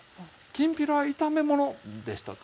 きんぴらは炒め物でした炒め物ですか？